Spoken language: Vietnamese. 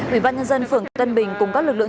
ubnd phường tân bình cùng các lực lượng